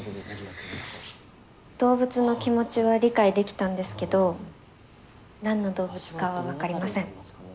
動物の気持ちは理解できたんですけど何の動物かは分かりません。